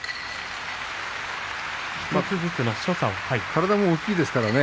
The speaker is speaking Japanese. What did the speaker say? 体も大きいですからね。